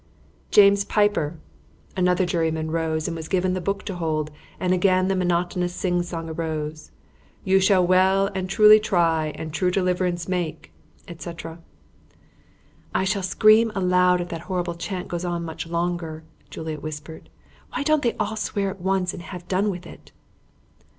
"James Piper!" Another juryman rose and was given the Book to hold; and again the monotonous sing song arose "You shall well and truly try and true deliverance make, etc." "I shall scream aloud if that horrible chant goes on much longer," Juliet whispered. "Why don't they all swear at once and have done with it?"